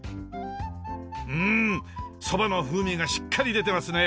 うーんそばの風味がしっかり出てますね。